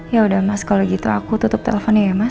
ya udah mas kalau gitu aku tutup teleponnya ya mas